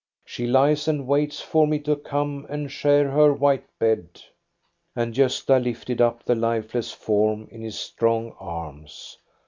She lies and waits for me to come and share her white bed." And Gosta lifted up the lifeless form in his strong arms.